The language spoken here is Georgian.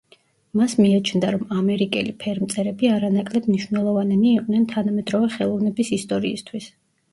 მას მიაჩნდა, რომ ამერიკელი ფერმწერები არანაკლებ მნიშვნელოვანნი იყვნენ თანამედროვე ხელოვნების ისტორიისთვის.